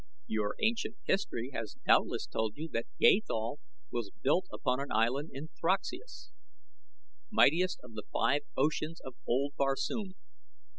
"Your ancient history has doubtless told you that Gathol was built upon an island in Throxeus, mightiest of the five oceans of old Barsoom.